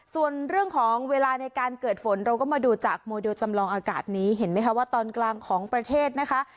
ส่วนเรื่องของเวลาในการเกิดฝนเราก็มาดูจากโมเดลจำลองอากาศนี้เห็นไหมคะว่าตอนกลางของประเทศนะคะ